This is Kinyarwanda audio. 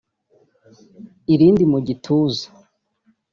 irindi mu gituza